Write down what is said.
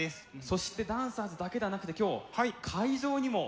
そしてダンサーズだけではなくて今日会場にも。